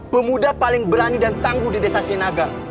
pemuda paling berani dan tangguh di desa sinaga